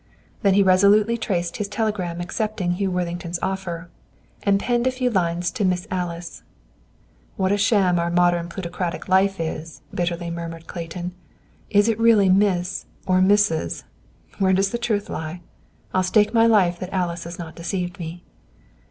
Then he resolutely traced his telegram accepting Hugh Worthington's offer, and penned a few lines to "Miss Alice." "What a sham our modern plutocratic life is," bitterly murmured Clayton. "Is it really Miss or Mrs.? Where does the truth lie? I'll stake my life that Alice has not deceived me!"